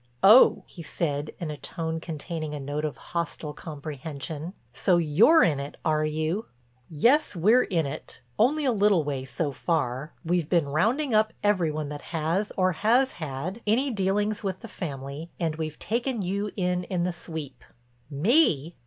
"Oh," he said, in a tone containing a note of hostile comprehension, "so you're in it, are you?" "Yes; we're in it—only a little way so far. We've been rounding up every one that has, or has had, any dealings with the family and we've taken you in in the sweep." "_Me?